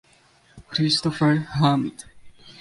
Christopher Amt.